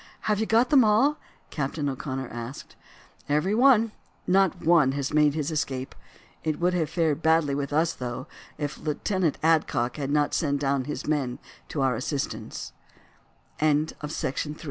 "Have you got them all?" Captain O'Connor asked. "Every one; not one has made his escape. It would have fared badly with us, though, if Lieutenant Adcock had not sent down the men to our as